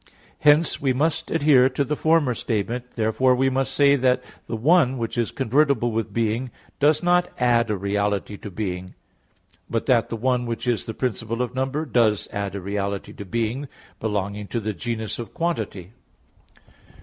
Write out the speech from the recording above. Hence we must adhere to the former statement; therefore we must say that the "one" which is convertible with "being," does not add a reality to being; but that the "one" which is the principle of number, does add a reality to "being," belonging to the genus of quantity.